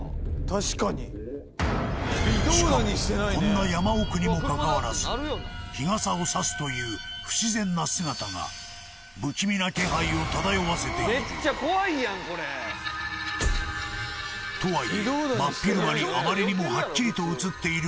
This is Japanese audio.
確かにしかもこんな山奥にもかかわらず日傘を差すという不自然な姿が不気味な気配を漂わせているめっちゃ怖いやんこれとはいえ真っ昼間にあまりにもはっきりと写っている